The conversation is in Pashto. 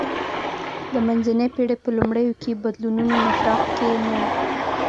د منځنۍ پېړۍ په لومړیو کې بدلونونو محراق کې نه و